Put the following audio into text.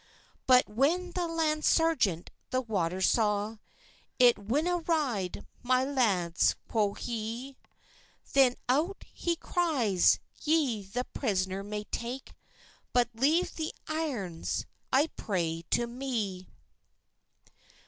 But when the land sergeant the water saw, "It winna ride, my lads," quo he; Then out he cries, "Ye the prisner may take, But leave the irons, I pray, to me."